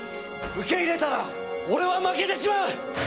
受け入れたら俺は負けてしまう！